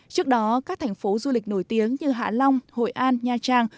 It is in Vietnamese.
trước đó các thành phố du lịch nổi tiếng như hạ long hội an nha trang